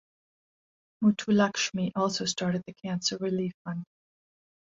Muthulakshmi also started the Cancer Relief Fund.